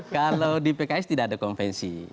kalau di pks tidak ada konvensi